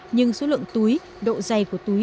nhưng số lượng túi độ dày của túi